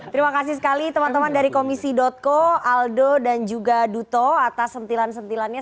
terima kasih sekali teman teman dari komisi co aldo dan juga duto atas sentilan sentilannya